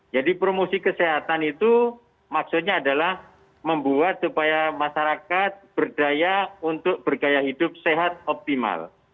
jadi promosi kesehatan itu maksudnya adalah membuat supaya masyarakat berdaya untuk bergaya hidup sehat optimal